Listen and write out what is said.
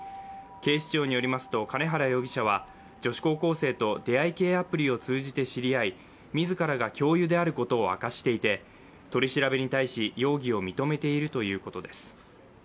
警視庁によりますと、兼原容疑者は女子高校生と出会い系アプリを通じて知り合い、自らが教諭であることを明かしていて、取り調べに対し、容疑を認めているということです。